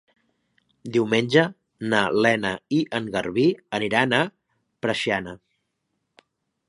Diumenge na Lena i en Garbí aniran a Preixana.